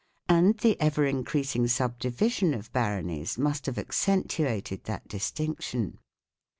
And the ever increasing subdivision of baronies must have accentuated that distinction.